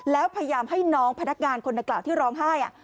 แล้วพยายามให้น้องพนักงานคนนักกล่าวที่ร้องไห้